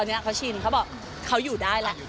อันนี้เขาชินเขาบอกเขาอยู่ได้แล้ว